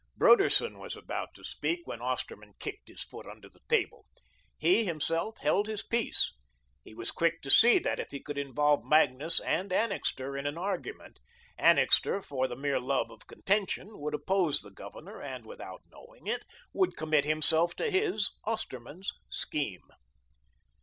Broderson was about to speak when Osterman kicked his foot under the table. He, himself, held his peace. He was quick to see that if he could involve Magnus and Annixter in an argument, Annixter, for the mere love of contention, would oppose the Governor and, without knowing it, would commit himself to his Osterman's scheme.